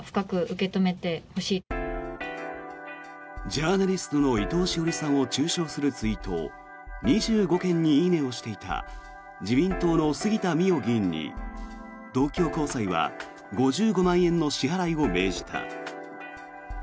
ジャーナリストの伊藤詩織さんを中傷するツイートを「いいね」をしていた自民党の杉田水脈議員に東京高裁は５５万円の支払いを命じた。